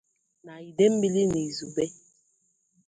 na Idemili n'izugbe.